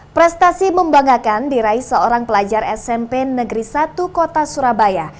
prestasi membanggakan diraih seorang pelajar smp negeri satu kota surabaya